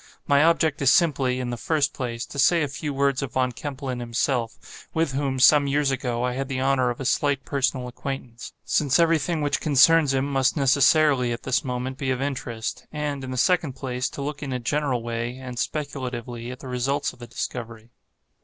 My object is simply, in the first place, to say a few words of Von Kempelen himself (with whom, some years ago, I had the honor of a slight personal acquaintance), since every thing which concerns him must necessarily, at this moment, be of interest; and, in the second place, to look in a general way, and speculatively, at the results of the discovery.